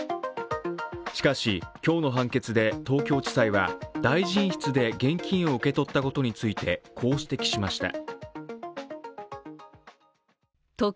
しかし、今日の判決で東京地裁は大臣室で現金を受け取ったことについて、こう指摘しました。